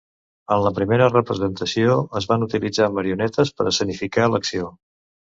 En la primera representació es van utilitzar marionetes per escenificar l'acció.